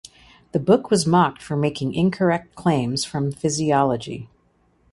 The book was mocked for making incorrect claims from physiology.